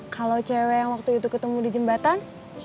kalau cewek yang waktu itu ketemu di jembatan